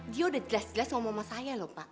dia udah jelas jelas ngomong sama saya lho pak